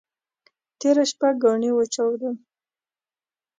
تېره شپه ګاڼي وچودل.